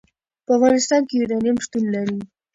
په افغانستان کې یورانیم شتون لري.